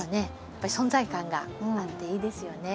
やっぱり存在感があっていいですよね。